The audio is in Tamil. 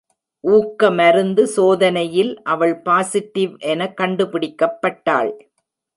ஊக்கமருந்து சோதனையில் அவள் பாசிட்டிவ் என கண்டுபிடிக்கப்பட்டாள்.